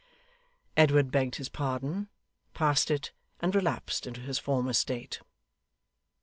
Edward begged his pardon, passed it, and relapsed into his former state.